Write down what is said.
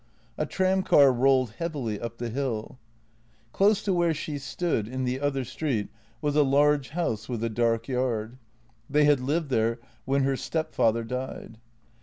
A tramcar rolled heavily up the hill. Close to where she stood, in the other street, was a large house with a dark yard; they had lived there when her step father died.